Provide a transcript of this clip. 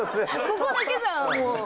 ここだけじゃん。